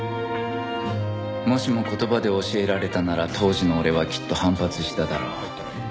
もしも言葉で教えられたなら当時の俺はきっと反発しただろう